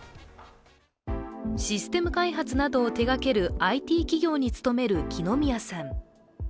システム開発などを手がけるＩＴ企業に勤める木野宮さん。